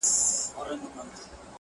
• زه به راځمه خامخا راځمه ,